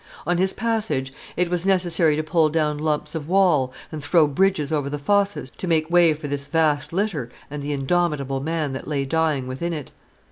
On his passage, it was necessary to pull down lumps of wall and throw bridges over the fosses to make way for this vast litter and the indomitable man that lay dying within it.